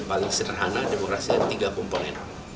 paling sederhana demokrasi ada tiga komponen